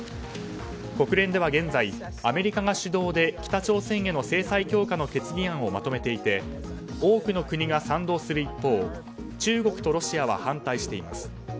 国連では現在、アメリカが主導で北朝鮮への制裁強化の決議案をまとめていて多くの国が賛同する一方中国とロシアは反対しています。